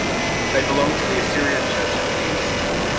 They belong to the Assyrian Church of the East.